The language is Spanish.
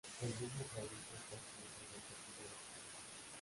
El mismo trayecto está incluido en el servicio nocturno.